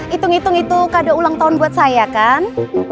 hitung hitung itu kado ulang tahun buat saya kan